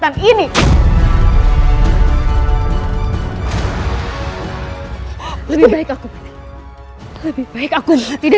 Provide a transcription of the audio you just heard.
saya tidak membayangkan anda